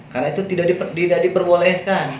karena itu tidak diperbolehkan